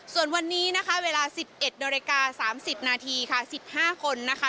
ส่วนวันนี้นะคะเวลา๑๑น๓๐น๑๕คนนะคะ